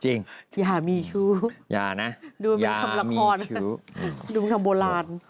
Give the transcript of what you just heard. จริงอย่ามีชู้ดูมันเป็นคำละครดูมันเป็นคำโบลาน